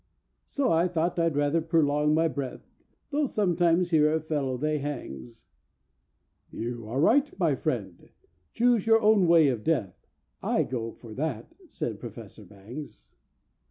So I thought I'd rather perlong my breath, Tho' sometimes here a fellow they hangs"—— "You are right, my friend. Choose your own way of death, I go in for that," said Professor Bangs.